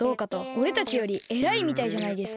おれたちよりえらいみたいじゃないですか。